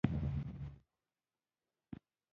او نه مې سبقانو ته زړه کېده.